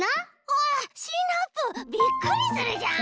わあシナプーびっくりするじゃん！